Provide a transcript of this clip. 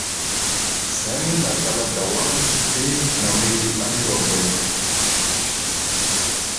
Seŋ na a tala dawaŋ zi Ɵi na wiɗi aliogoy.